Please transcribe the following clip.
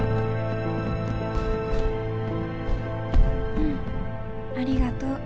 うんありがとう。